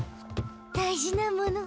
大事なもの。